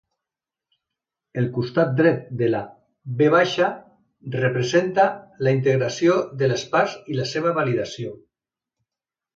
El costat dret de la "V" representa la integració de les parts i la seva validació.